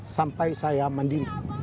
sampai saya mandi